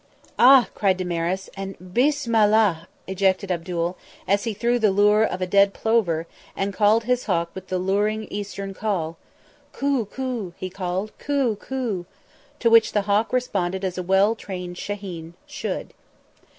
"Ah!" cried Damaris, and "Bi sma llah!" ejaculated Abdul, as he threw the lure of a dead plover and called his hawk with the luring Eastern call. "Coo coo," he called; "coo coo," to which the hawk responded as a well trained shahin should.